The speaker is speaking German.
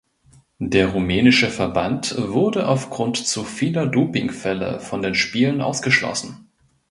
Der rumänische Verband wurde aufgrund zu vieler Dopingfälle von den Spielen ausgeschlossen.